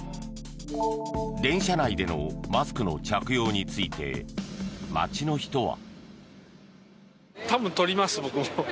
電車内でのマスクの着用について街の人は。